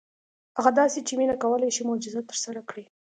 هغه داسې چې مينه کولی شي معجزه ترسره کړي.